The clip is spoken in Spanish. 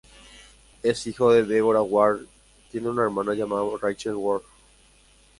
Es hijo de Deborah Ward, tiene una hermana llamada Rachel Ward.